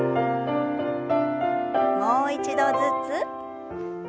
もう一度ずつ。